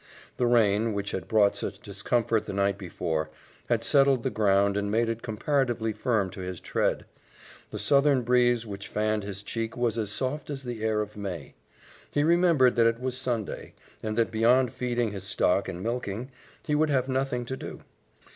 The rain, which had brought such discomfort the night before, had settled the ground and made it comparatively firm to his tread. The southern breeze which fanned his cheek was as soft as the air of May. He remembered that it was Sunday, and that beyond feeding his stock and milking, he would have nothing to do.